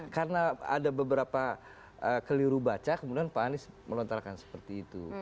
karena ada beberapa keliru baca kemudian pak anies meletakkan seperti itu